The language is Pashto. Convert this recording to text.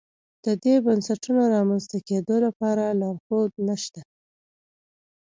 د دې بنسټونو رامنځته کېدو لپاره لارښود نه شته.